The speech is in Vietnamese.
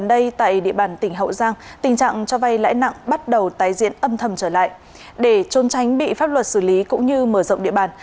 để trôn tránh bị pháp luật xử lý cũng như mở rộng địa bàn